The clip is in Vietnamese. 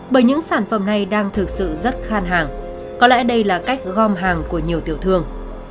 bởi những sản phẩm này đang thực sự rất khan hàng có lẽ đây là cách gom hàng của nhiều tiểu thương